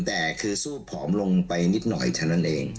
แต่คือสู้ผอมลงไปนิดหน่อยเท่านั้นเอง